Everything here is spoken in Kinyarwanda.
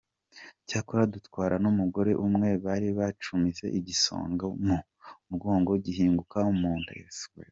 Cyakora dutwara n’umugore umwe bari bacumise igisongo mu mugongo gihinguka mu nda.